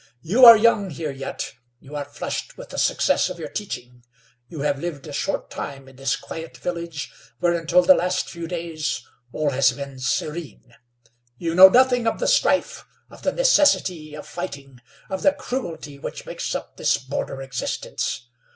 You are young here yet; you are flushed with the success of your teaching; you have lived a short time in this quiet village, where, until the last few days, all has been serene. You know nothing of the strife, of the necessity of fighting, of the cruelty which makes up this border existence.